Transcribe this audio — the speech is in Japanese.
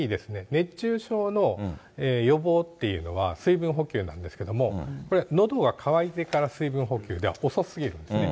熱中症の予防っていうのは、水分補給なんですけども、これ、のどが渇いてから水分補給では遅すぎるんですね。